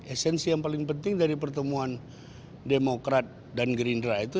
esensi yang paling penting dari pertemuan demokrat dan gerindra itu